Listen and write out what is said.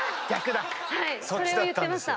それを言ってました。